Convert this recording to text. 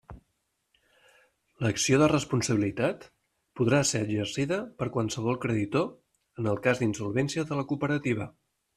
L'acció de responsabilitat podrà ser exercida per qualsevol creditor en el cas d'insolvència de la cooperativa.